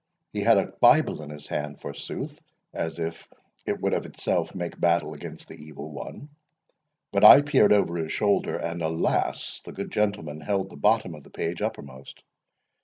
He had a Bible in his hand, forsooth, as if it would of itself make battle against the Evil One; but I peered over his shoulder, and, alas! the good gentleman held the bottom of the page uppermost.